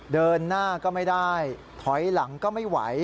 เดินหน้าก็ไม่ได้ถอยหลังก็ไม่ไหว